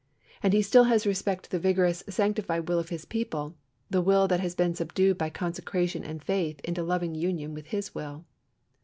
And He still has respect to the vigorous, sanctified will of His people the will that has been subdued by consecration and faith into loving union with His will.